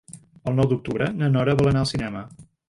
El nou d'octubre na Nora vol anar al cinema.